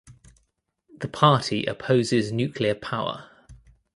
The party opposes nuclear power.